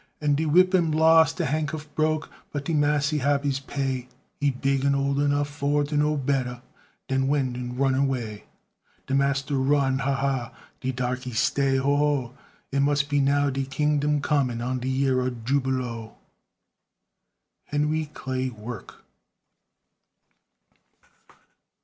De whip am lost, de han' cuff broke, But de massy hab his pay; He big an' ole enough for to know better Dan to went an' run away. De massa run, ha, ha! De darkey stay, ho, ho! It mus' be now de kingdum comin', An' de yar ob jubilo. HENRY CLAY WORK.